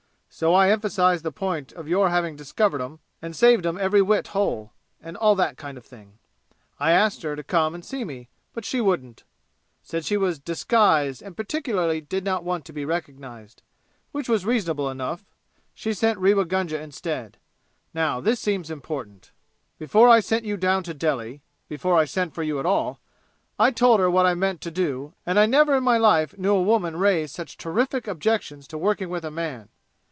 So I emphasized the point of your having discovered 'em and saved 'em every wit whole and all that kind of thing. I asked her to come and see me, but she wouldn't, said she was disguised and particularly did not want to be recognized, which was reasonable enough. She sent Rewa Gunga instead. Now, this seems important: "Before I sent you down to Delhi before I sent for you at all I told her what I meant to do, and I never in my life knew a woman raise such terrific objections to working with a man.